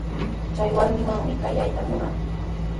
Chay warmiwanmi kawayta munaa.